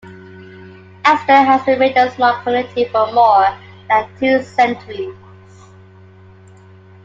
Exton has remained a small community for more than two centuries.